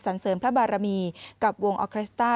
สันเสือนพระบาลามีกับวงออคล็สต้า